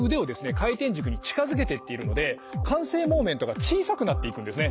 回転軸に近づけてっているので慣性モーメントが小さくなっていくんですね。